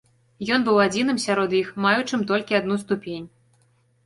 Ён быў адзіным сярод іх, маючым толькі адну ступень.